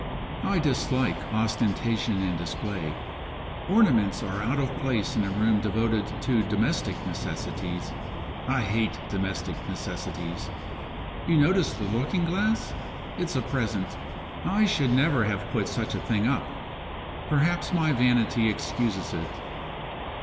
I dislike ostentation and display. Ornaments are out of place in a room devoted to domestic necessities. I hate domestic necessities. You notice the looking glass? It's a present. I should never have put such a thing up. Perhaps my vanity excuses it."